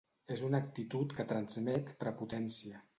És una actitud que transmet prepotència.